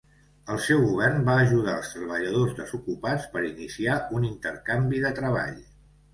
El seu govern va ajudar els treballadors desocupats per iniciar un intercanvi de treball.